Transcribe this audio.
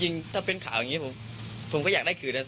จริงถ้าเป็นข่าวอย่างนี้ผมก็อยากได้คืนนะ